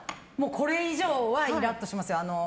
これ以上はイラッとします。